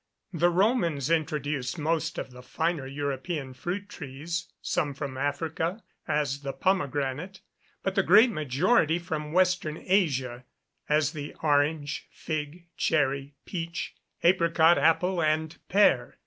The Romans introduced most of the finer European fruit trees, some from Africa, as the pomegranate, but the great majority from Western Asia, as the orange, fig, cherry, peach, apricot, apple, and pear.